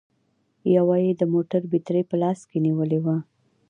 يوه يې د موټر بېټرۍ په لاس کې نيولې وه